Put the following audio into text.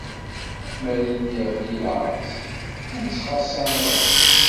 Mi ara d-iɣli laẓ, ur ttxaṣṣan ara.